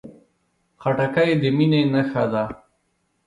خټکی د مینې نښه ده.